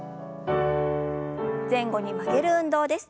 前後に曲げる運動です。